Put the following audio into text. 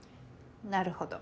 なるほど。